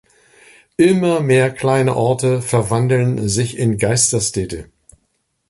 Immer mehr kleine Orte verwandeln sich in Geisterstädte.